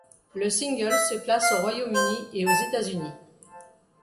Le single se classe au Royaume-Uni et aux États-Unis.